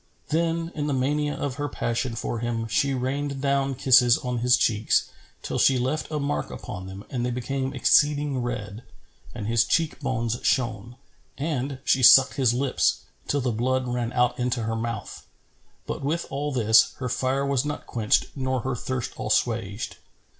Then, in the mania of her passion for him, she rained down kisses on his cheeks, till she left a mark upon them and they became exceeding red and his cheek bones shone; and, she sucked his lips, till the blood ran out into her mouth; but with all this, her fire was not quenched nor her thirst assuaged.